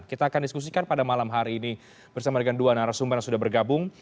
kita akan diskusikan pada malam hari ini bersama dengan dua narasumber yang sudah bergabung